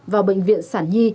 vào bệnh viện sản nhi